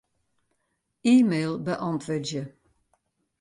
E-mail beäntwurdzje.